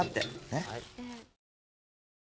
ねっ？